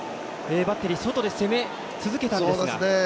バッテリー外で攻め続けたんですが。